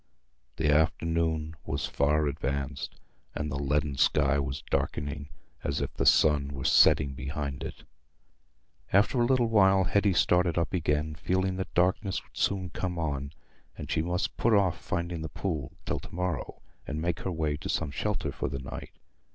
The afternoon was far advanced, and the leaden sky was darkening, as if the sun were setting behind it. After a little while Hetty started up again, feeling that darkness would soon come on; and she must put off finding the pool till to morrow, and make her way to some shelter for the night.